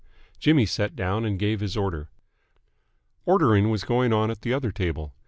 Jimmy sat down and gave his order. Ordering was going on at the other table.